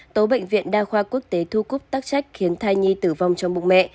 tố bệnh viện đa khoa quốc tế thu cúp tác trách khiến thai nhi tử vong trong bụng mẹ